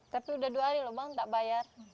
tapi udah dua hari loh bang tidak bayar